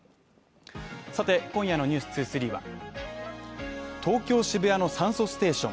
今夜の「ＮＥＷＳ２３」は、東京・渋谷の酸素ステーション。